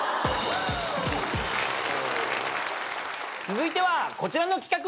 続いてはこちらの企画。